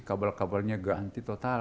kabel kabelnya ganti total